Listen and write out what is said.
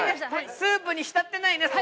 スープに浸ってないねはい。